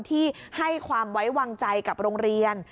ที่ให้ความไว้วางใจกับโรงเรียน